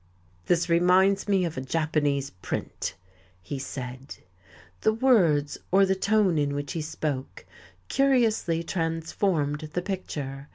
"This reminds me of a Japanese print," he said. The words, or the tone in which he spoke, curiously transformed the picture.